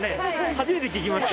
初めて聞きました。